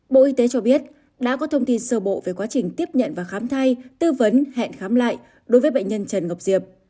bộ y tế cho biết đã có thông tin sơ bộ về quá trình tiếp nhận và khám thai tư vấn hẹn khám lại đối với bệnh nhân trần ngọc diệp